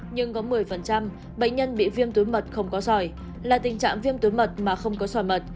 nhưng có một mươi bệnh nhân bị viêm túi mật không có sỏi là tình trạng viêm túi mật mà không có sỏi mật